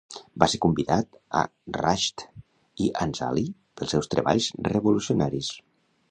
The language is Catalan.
Va ser convidat a Rasht i Anzali pels seus treballs revolucionaris.